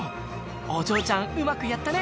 お嬢ちゃんうまくやったね！